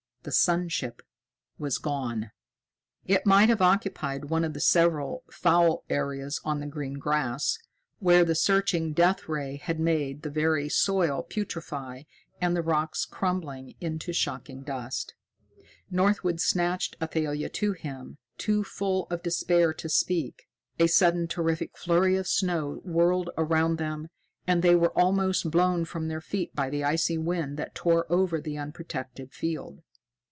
The sun ship was gone. It might have occupied one of several black, foul areas on the green grass, where the searching Death Ray had made the very soil putrefy, and the rocks crumble into shocking dust. Northwood snatched Athalia to him, too full of despair to speak. A sudden terrific flurry of snow whirled around them, and they were almost blown from their feet by the icy wind that tore over the unprotected field.